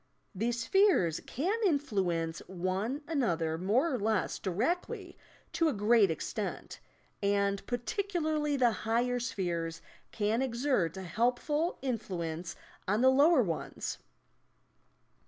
These spheres can influence one another more or less directly to a great extent, and particularly the higher spheres can exert a helpful in fluence on the lower ones.